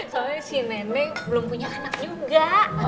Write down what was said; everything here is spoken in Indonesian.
soalnya si nenek belum punya anak juga